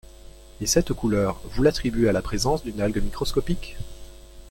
Et cette couleur, vous l’attribuez à la présence d’une algue microscopique?